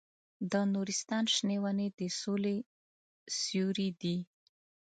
د نورستان شنې ونې د سولې سیوري دي.